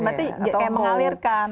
berarti kayak mengalirkan